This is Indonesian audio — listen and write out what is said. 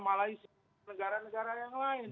malaysia negara negara yang lain